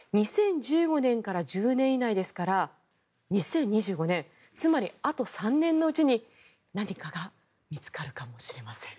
２０１５年から１０年以内ですから、２０２５年つまり、あと３年のうちに何かが見つかるかもしれません。